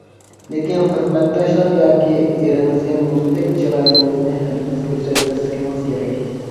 لېكىن خىزمەتداشلار ياكى ئېرىڭىزگە مۇزدەك چىرايىڭىزنى ھەرگىز كۆرسەتمەسلىكىڭىز كېرەك.